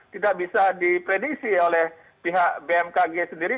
tidak bisa diprediksi oleh pihak bmkg sendiri